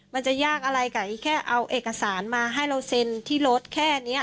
มันจะยากอะไรกับอีกแค่เอาเอกสารมาให้เราเซ็นที่รถแค่นี้